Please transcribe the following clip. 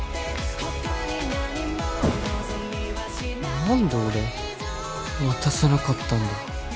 何で俺渡せなかったんだろ